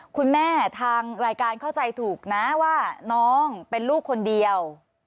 คุณแม่ทางรายการเข้าใจถูกนะว่าน้องเป็นลูกคนเดียว